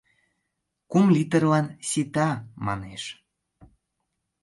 — Кум литрлан сита, манеш.